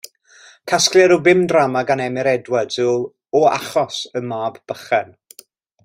Casgliad o bum drama gan Emyr Edwards yw O Achos y Mab Bychan.